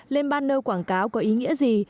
lên banner quảng cáo có ý nghĩa gì